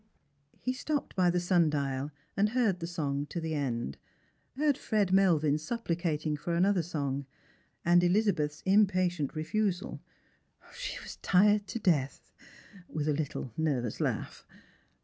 He stopped by the sun dial and heard the song to the end; heard Fred Melvin supplicating for auother song, and Eliza beth's impatient refusal —" She was tired to death," with a little nervous laugh.